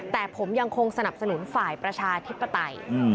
แต่ผมยังคงสนับสนุนฝ่ายประชาธิปไตย